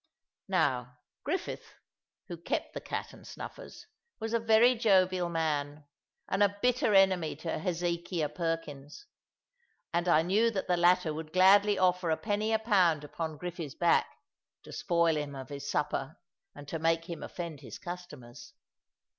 '" Now, Griffith, who kept the "Cat and Snuffers," was a very jovial man, and a bitter enemy to Hezekiah Perkins; and I knew that the latter would gladly offer a penny a pound upon Griffy's back, to spoil him of his supper, and to make him offend his customers.